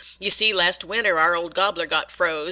Yeh see, last winter our old gobbler got froze.